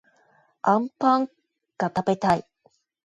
あんぱんがたべたい